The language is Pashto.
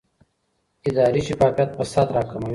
اداري شفافیت فساد راکموي